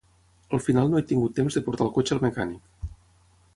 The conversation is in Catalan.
Al final no he tingut temps de portar el cotxe al mecànic.